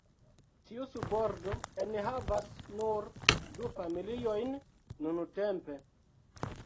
Tiu subordo enhavas nur du familiojn nuntempe.